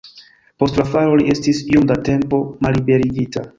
Post la falo li estis iom da tempo malliberigita.